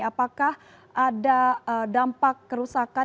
apakah ada dampak kerusakan